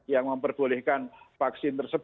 yang memperbolehkan vaksinasi